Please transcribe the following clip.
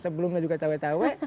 sebelumnya juga cawe cawe